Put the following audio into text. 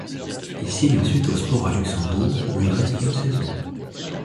Il signe ensuite au Spora Luxembourg, où il reste une saison.